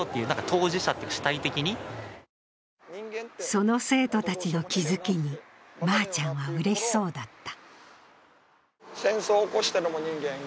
その生徒たちの気付きにまーちゃんはうれしそうだった。